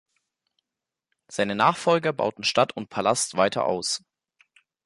Seine Nachfolger bauten Stadt und Palast weiter aus.